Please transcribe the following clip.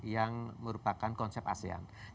yang merupakan konsep pasifik indonesia